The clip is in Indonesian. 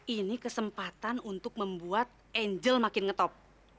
ini kesempatan untuk membuat angel makin ngetop